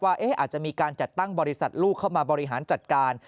ว่าอาจจะมีการจัดตั้งบริษัทลูกเข้ามาบริหารจัดการ